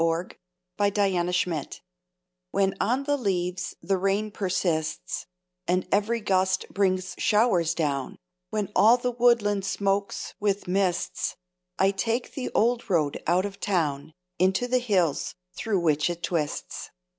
RAIN IN THE WOODS When on the leaves the rain persists, And every gust brings showers down; When all the woodland smokes with mists, I take the old road out of town Into the hills through which it twists.